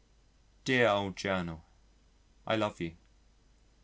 Dear old Journal, I love you!